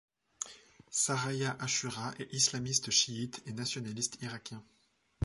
Saraya Ashura est islamiste chiite et nationaliste irakien.